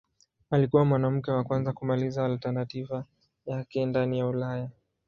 Alikuwa mwanamke wa kwanza kumaliza alternativa yake ndani ya Ulaya.